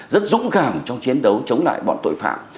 rất dũng cảm trong chiến đấu chống lại bọn tội phạm